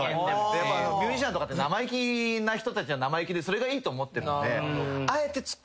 ミュージシャンとかって生意気な人たちは生意気でそれがいいと思ってるんで。